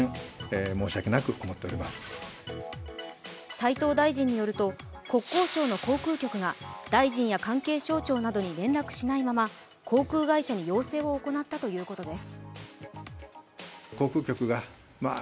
斉藤大臣によると国交省の航空局が大臣や関係省庁などに連絡しないまま、航空会社に要請を行ったということです。